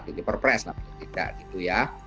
jadi perpres lah tapi tidak gitu ya